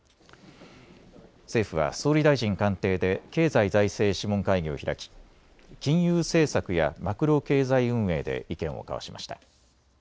政府は総理大臣官邸で経済財政諮問会議を開き金融政策やマクロ経済運営で意見を交わしました。